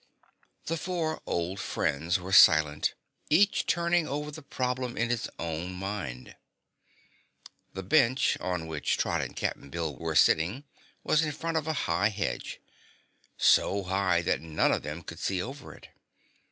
The four old friends were silent, each turning over the problem in his own mind. The bench on which Trot and Cap'n Bill were sitting was in front of a high hedge so high that none of them could see over it.